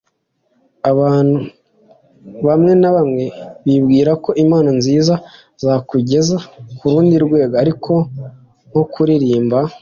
Abantu bamwe na bamwe bibwira ko impano nziza zakugeza ku rundi rwego ari nko kuririmba